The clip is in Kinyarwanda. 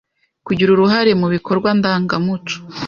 kugira uruhare mu bikorwa ndangamuco